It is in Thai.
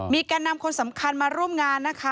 แก่นำคนสำคัญมาร่วมงานนะคะ